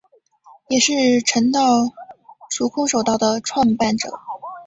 也是诚道塾空手道的创办者。